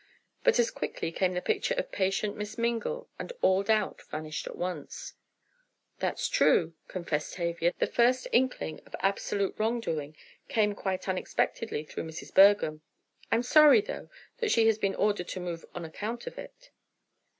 But as quickly came the picture of patient Miss Mingle, and all doubt vanished at once. "That's true," confessed Tavia, "the first inkling of absolute wrong doing came quite unexpectedly through Mrs. Bergham. I'm sorry, though, that she has been ordered to move on account of it."